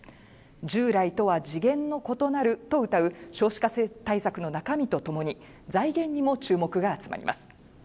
従来とは次元の異なるとうたう少子化対策の中身とともに財源にも注目が集まります